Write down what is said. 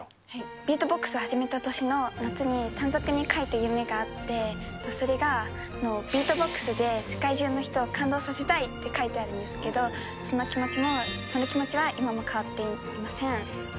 ビートボックス始めた年の夏に、短冊に書いた夢があって、それがビートボックスで世界中の人を感動させたいって書いてあるんですけど、その気持ちは今も変わっていません。